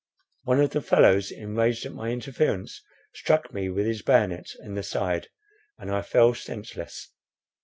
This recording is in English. One of the fellows, enraged at my interference, struck me with his bayonet in the side, and I fell senseless.